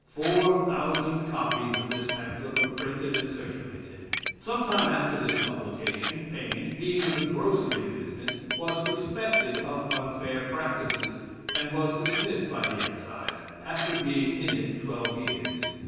Four thousand copies of this pamphlet were printed and circulated. Some time after this publication, Paine, being in the grocery business, was suspected of unfair practices, and was dismissed the Excise, after being in it twelve years.